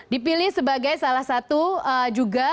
dipilih sebagai salah satu juga